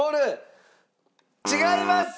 違います！